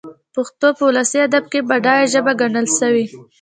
پښتو په اولسي ادب کښي بډايه ژبه ګڼل سوې.